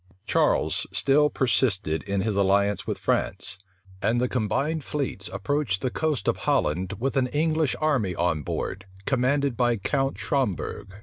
Charles still persisted in his alliance with France; and the combined fleets approached the coast of Holland with an English army on board, commanded by Count Schomberg.